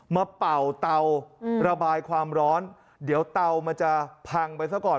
เป่าเตาระบายความร้อนเดี๋ยวเตามันจะพังไปซะก่อน